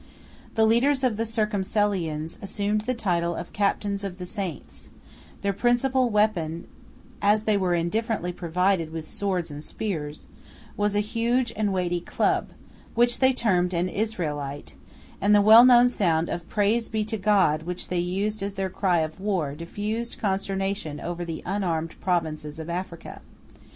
The leaders of the Circumcellions assumed the title of captains of the saints; their principal weapon, as they were indifferently provided with swords and spears, was a huge and weighty club, which they termed an Israelite; and the well known sound of "Praise be to God," which they used as their cry of war, diffused consternation over the unarmed provinces of Africa.